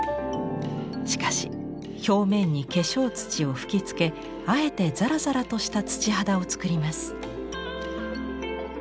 しかし表面に化粧土を吹きつけあえてザラザラとした土肌を作ります。